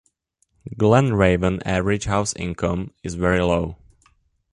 Glen Raven average house income is very low.